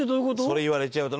それ言われちゃうと。